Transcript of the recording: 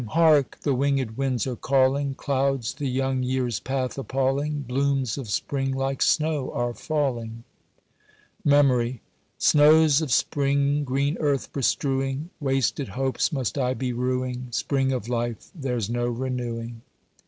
Hark! the wingèd winds are calling; Clouds the young year's path appalling; Blooms of spring like snow are falling. MEMORY. Snows of spring green earth bestrewing! Wasted hopes must I be rueing, Spring of life there's no renewing.